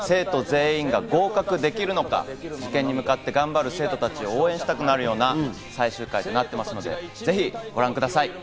生徒全員が合格できるのか、受験に向かって頑張る生徒たちを応援したくなるような最終回となっておりますので、ぜひご覧ください。